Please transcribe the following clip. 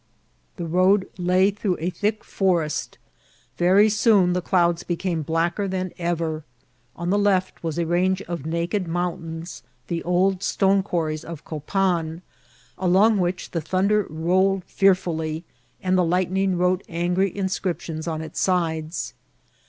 The road lay through a thick for* est ; very soon the clouds became blacker than ever ; on the left was a range of naked mountains, the old stone quarries of Copan, along which the thunder roll ed fearfully, and the lightning wrote angry inscriptions on its sides.